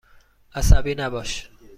عصبی نباش.